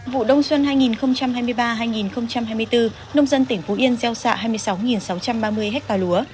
vụ đông xuân hai nghìn hai mươi ba hai nghìn hai mươi bốn nông dân tỉnh phú yên gieo xạ hai mươi sáu sáu trăm ba mươi ha lúa